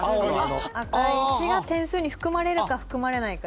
赤い石が点数に含まれるか含まれないかですね。